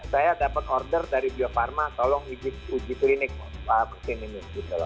saya dapat order dari bio farma tolong uji klinik vaksin ini